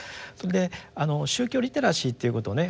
宗教リテラシーということをね